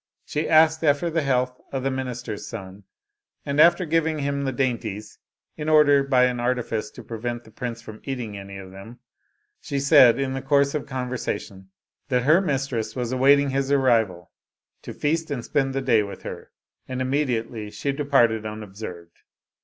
She asked after the health of the minister's son, and after giving him the dainties, in order by an artifice to prevent the prince from eating any of them, she said, in the course of conversa tion, that her mistress was awaiting his arrival to feast and spend the day with her, and immediately she departed un observed.